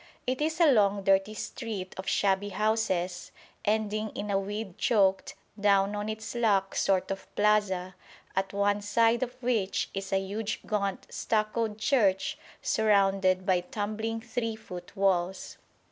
It is a long dirty street of shabby houses, ending in a weed choked down on its luck sort of plaza, at one side of which is a huge gaunt stuccoed church surrounded by tumbling three foot walls.